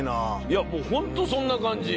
いやホントそんな感じ。